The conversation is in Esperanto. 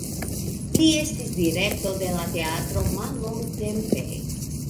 Li estis direkto de la teatro mallongtempe.